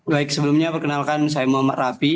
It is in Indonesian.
baik sebelumnya perkenalkan saya muhammad rafi